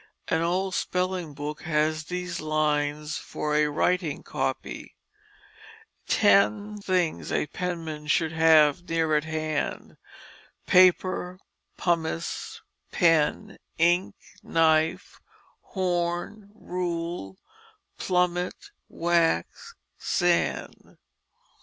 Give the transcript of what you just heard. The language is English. An old spelling book has these lines for a "writing copy ": "X things a penman should have near at hand Paper, pomice, pen, ink, knife, horn, rule, plummet, wax, sand."